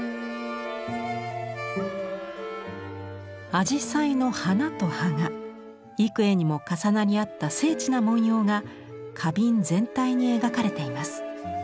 紫陽花の花と葉が幾重にも重なり合った精緻な文様が花瓶全体に描かれています。